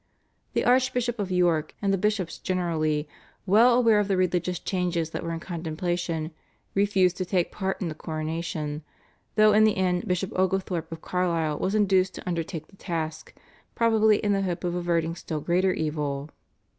The Archbishop of York and the bishops generally, well aware of the religious changes that were in contemplation, refused to take part in the coronation, though in the end Bishop Oglethorp of Carlisle was induced to undertake the task, probably in the hope of averting still greater evil.